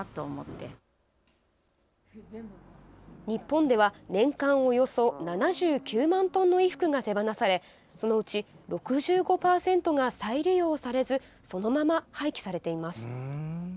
日本では年間およそ７９万トンの衣服が手放されそのうち６５％が再利用されずそのまま廃棄されています。